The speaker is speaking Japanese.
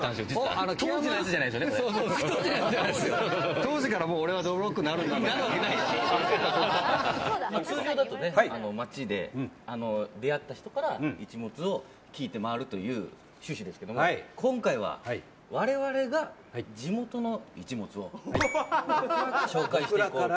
当時から俺は、どぶろっくに通常だとね街で出会った人から一物を聞いて回るという趣旨ですが今回は、我々が地元の一物を紹介していこうと。